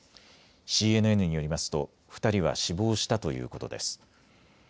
ＣＮＮによりますと２人は死亡したということです。